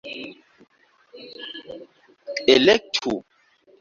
elektu